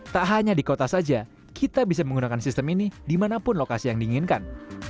tak hanya di kota saja kita bisa menggunakan sistem ini dimanapun lokasi yang diinginkan